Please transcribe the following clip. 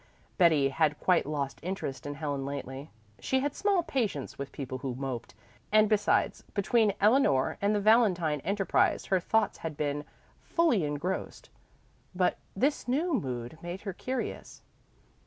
Betty had quite lost interest in Helen lately; she had small patience with people who moped, and besides, between Eleanor and the valentine enterprise, her thoughts had been fully engrossed. But this new mood made her curious.